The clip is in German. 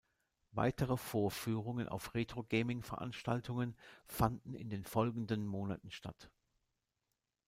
Weitere Vorführungen auf Retro-Gaming Veranstaltungen fanden in den folgenden Monaten statt.